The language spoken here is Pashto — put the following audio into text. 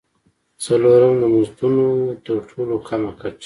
څلورم: د مزدونو تر ټولو کمه کچه.